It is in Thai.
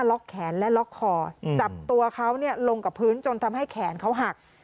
แขนและล็อกคอจับตัวเขาลงกับพื้นจนทำให้แขนเขาหัก